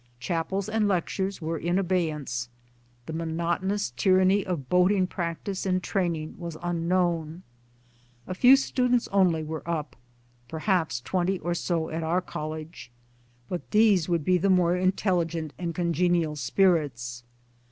Chapels and lectures were in abeyance, the monotonous tyranny of boating practice and training was un known ; a few students only were up*, perhaps twenty or so at our College but these would be the more intelligent and congenial spirits.